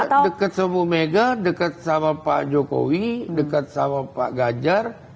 saya dekat sama bu mega dekat sama pak jokowi dekat sama pak ganjar